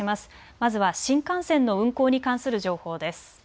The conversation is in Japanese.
まずは新幹線の運行に関する情報です。